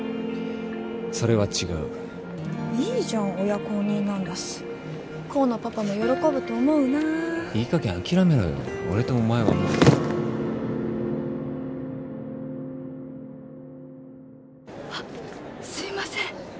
それは違ういいじゃん親公認なんだし功のパパも喜ぶと思うないいかげん諦めろよ俺とお前はもうあっすいません